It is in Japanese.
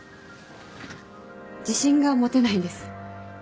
自信が持てないんです。